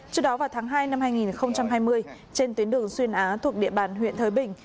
trước đó vào tháng hai năm hai nghìn hai mươi trên tuyến đường xuyên á thuộc địa bàn huyện thới bình